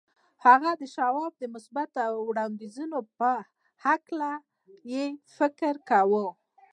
هغه د شواب د مثبتو وړانديزونو په هکله يې فکر کاوه.